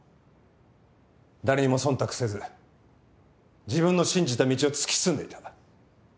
誰にも忖度せず自分の信じた道を突き進んでいた。